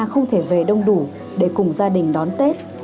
không thể về đông đủ để cùng gia đình đón tết